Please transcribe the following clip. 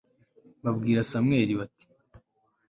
babwira samweli, bati